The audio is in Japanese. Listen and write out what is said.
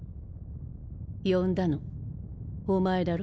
呼んだのおまえだろ？